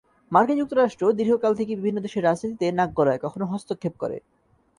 মার্কিন যুক্তরাষ্ট্র দীর্ঘকাল থেকেই বিভিন্ন দেশের রাজনীতিতে নাক গলায়, কখনো হস্তক্ষেপ করে।